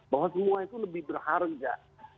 bahwa semua itu lebih berharga